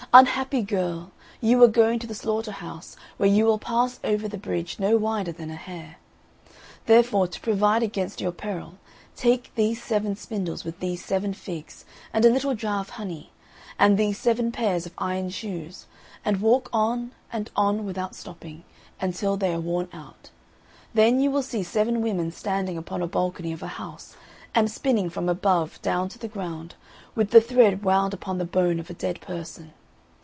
Unhappy girl, you are going to the slaughter house, where you will pass over the bridge no wider than a hair. Therefore, to provide against your peril, take these seven spindles with these seven figs, and a little jar of honey, and these seven pairs of iron shoes, and walk on and on without stopping, until they are worn out; then you will see seven women standing upon a balcony of a house, and spinning from above down to the ground, with the thread wound upon the bone of a dead person.